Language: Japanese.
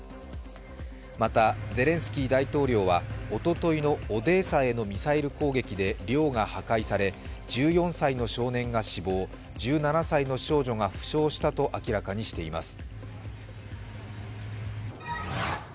また、ゼレンスキー大統領はおとといのオデーサへのミサイル攻撃で寮が破壊され、１４歳の少年が死亡、１７歳の少女が負傷したと明らかにしています。